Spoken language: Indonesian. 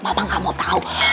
mama nggak mau tau